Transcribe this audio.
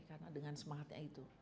karena dengan semangatnya